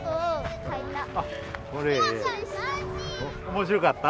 面白かった？